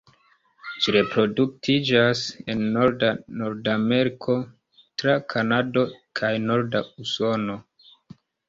Ĝi reproduktiĝas en norda Nordameriko tra Kanado kaj norda Usono.